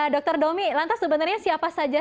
dr domi lantas sebenarnya siapa saja